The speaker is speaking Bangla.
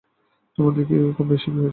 তোমাদের দেখি বেশ কমবয়সেই বিয়ে হয়েছিল।